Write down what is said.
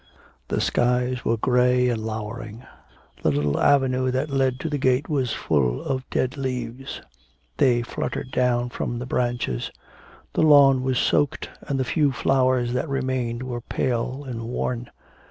The skies were grey and lowering, the little avenue that led to the gate was full of dead leaves; they fluttered down from the branches; the lawn was soaked, and the few flowers that remained were pale and worn.